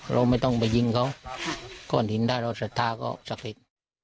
เราไม่ต้องไปยิงเขาก้อนหินได้แล้วเสร็จทางก็สักเล็ก